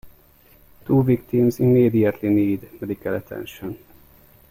Two victims immediately need medical attention.